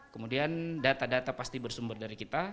kemudian data data pasti bersumber dari kita